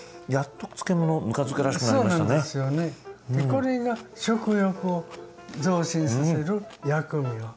これが食欲を増進させる役目を。